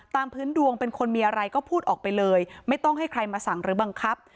พื้นดวงเป็นคนมีอะไรก็พูดออกไปเลยไม่ต้องให้ใครมาสั่งหรือบังคับ